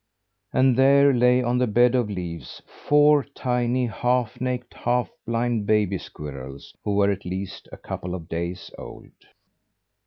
And there lay on the bed of leaves, four tiny half naked, half blind baby squirrels, who were at least a couple of days old.